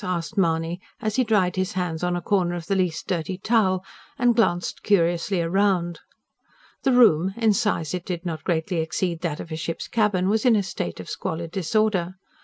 asked Mahony, as he dried his hands on a corner of the least dirty towel, and glanced curiously round. The room in size it did not greatly exceed that of a ship's cabin was in a state of squalid disorder.